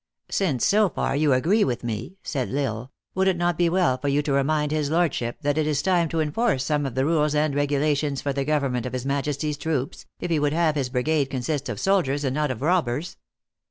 "Since you so far agree with me," said L Isle, " would it not be well for you to remind his lordship that it is time to enforce some of the rules and regula tions for the government of his Majesty s troops, if he would have his brigade consist of soldiers, and not of robbers."